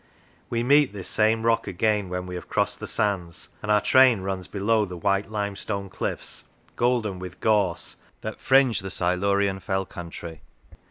We meet this same rock again when we have crossed the sands, and our train runs below the white limestone cliffs, golden with gorse, that fringe the Silurian fell country.